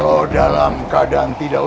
kau balikkan adikku